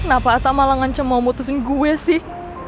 kenapa atta malah ngancam mau memutusin gue sih